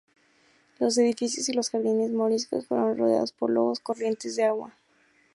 Los edificios y los jardines moriscos fueron rodeados por lagos y corrientes de agua.